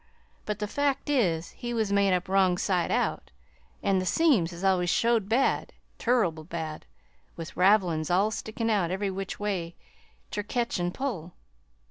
But the fact is, he was made up wrong side out, an' the seams has always showed bad turrible bad, with ravelin's all stickin' out every which way ter ketch an' pull.